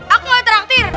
aku mau interaktir